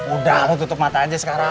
udah lu tutup mata aja sekarang